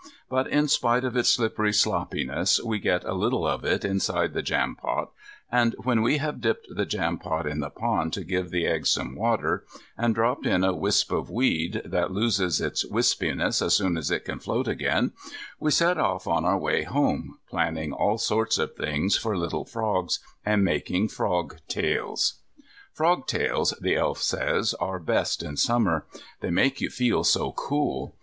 But in spite of its slippery sloppiness, we get a little of it inside the jampot, and when we have dipped the jampot in the pond to give the eggs some water, and dropped in a wisp of weed, that loses its wispiness as soon as it can float again, we set off on our way home, planning all sorts of things for little frogs, and making frog tales. Frog tales, the Elf says, are best in summer, "they make you feel so cool."